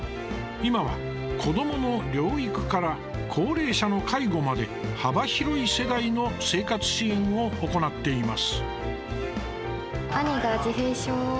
今は、子どもの療育から高齢者の介護まで幅広い世代の生活支援を行っています。